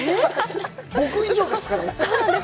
僕以上ですから。